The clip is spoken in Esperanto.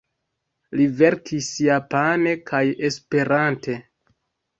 Li verkis japane kaj Esperante.